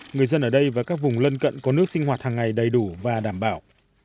người dân ở đây và các vùng lân cận có nước sinh hoạt hàng ngày đầy đủ và đảm bảo